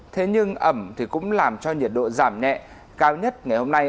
thế nhưng ẩm thì cũng làm cho nhiệt độ giảm nhẹ cao nhất ngày hôm nay